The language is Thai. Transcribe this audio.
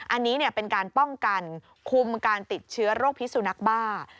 อันนี้เป็นการป้องกันคุมการติดเชื้อโรคพิสุนักบ้า